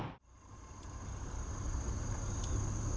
nói chung là